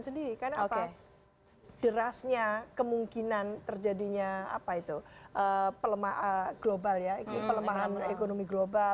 sendiri karena apa derasnya kemungkinan terjadinya apa itu global ya pelemahan ekonomi global